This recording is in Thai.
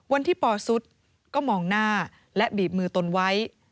วันที่ปอสุดก็มองหน้าและบีบมือตนไว้